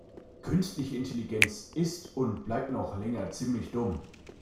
Künstliche Intelligenz ist und bleibt noch länger ziemlich dumm.